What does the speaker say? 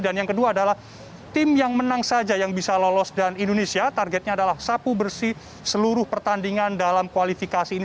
dan yang kedua adalah tim yang menang saja yang bisa lolos dan indonesia targetnya adalah sapu bersih seluruh pertandingan dalam kualifikasi ini